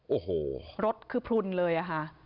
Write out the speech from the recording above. โอ้โหรถคือพลุนเลยอะค่ะ